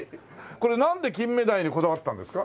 これなんで金目鯛にこだわったんですか？